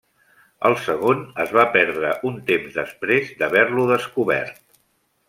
El segon es va perdre un temps després d'haver-lo descobert.